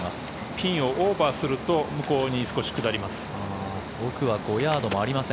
ピンをオーバーすると向こうに少し下ります。